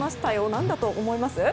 何だと思います？